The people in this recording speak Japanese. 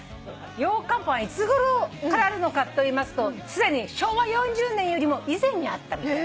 ようかんパンいつごろからあるのかといいますとすでに昭和４０年よりも以前にあったみたい。